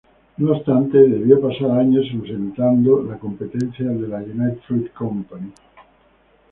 No obstante, debió pasar años enfrentando la competencia de la United Fruit Company.